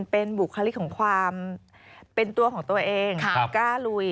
เป็นบุคลิกของความเป็นตัวของตัวเองกล้าลุย